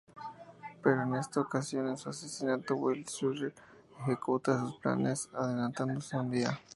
Pero en esta ocasión su asesino, Wilhelm Schuller, ejecuta sus planes adelantándose un día.